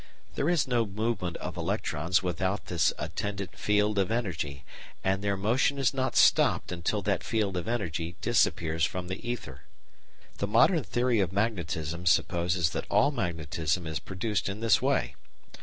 There is no movement of electrons without this attendant field of energy, and their motion is not stopped until that field of energy disappears from the ether. The modern theory of magnetism supposes that all magnetism is produced in this way.